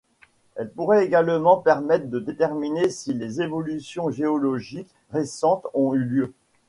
Elles pourraient également permettre de déterminer si des évolutions géologiques récentes ont eu lieu.